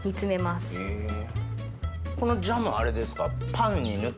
このジャムあれですか？